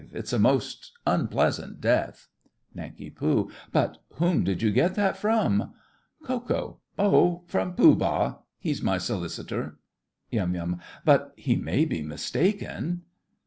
It's a most unpleasant death. NANK. But whom did you get that from? KO. Oh, from Pooh Bah. He's my Solicitor. YUM. But he may be mistaken!